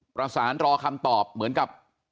ประสานรอคำตอบเหมือนกับ